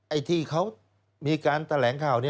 ไอ้ที่เขามีการแถลงข่าวนี้